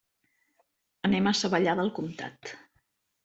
Anem a Savallà del Comtat.